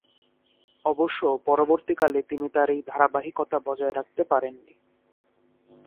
অবশ্য পরবর্তীকালে তিনি তার এই ধারাবাহিকতা বজায় রাখতে পারেননি।